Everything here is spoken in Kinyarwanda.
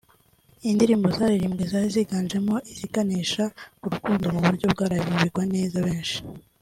indirimbo zaririmbwe zari ziganjemo iziganisha ku rukundo mu buryo bwa live bigwa neza benshi